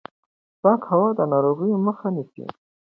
پاکه هوا د ناروغیو مخه نیسي.